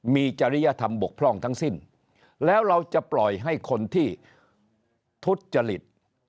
มีจริยธรรมบกพร่องทั้งสิ้นแล้วเราจะปล่อยให้คนที่ทุจจริต